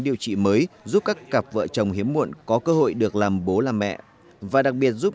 điều trị mới giúp các cặp vợ chồng hiếm muộn có cơ hội được làm bố làm mẹ và đặc biệt giúp